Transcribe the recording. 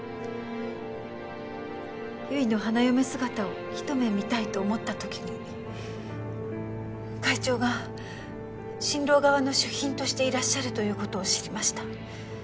優衣の花嫁姿を一目見たいと思った時に会長が新郎側の主賓としていらっしゃるという事を知りました。